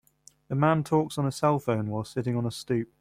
A man talks on a cellphone while sitting on a stoop.